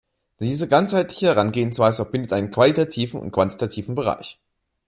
Diese ganzheitliche Herangehensweise verbindet einen qualitativen und quantitativen Bereich.